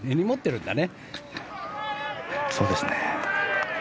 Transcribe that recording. そうですね。